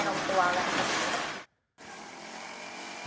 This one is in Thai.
มันก็ได้ลงตัวแล้ว